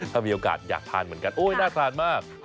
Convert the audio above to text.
ถ้ามีโอกาสอยากทานเหมือนกันโอ๊ยน่าทานมาก